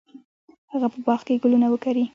هغه په باغ کې ګلونه وکري.